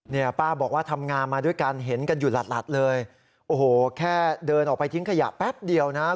เนี่ยป้าบอกว่าทำงานมาด้วยกันเห็นกันอยู่หลัดเลยโอ้โหแค่เดินออกไปทิ้งขยะแป๊บเดียวนะ